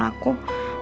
terus inim ei bombat